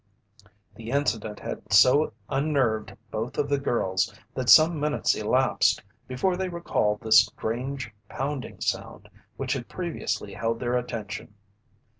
The incident had so unnerved both of the girls, that some minutes elapsed before they recalled the strange pounding sound which had previously held their attention.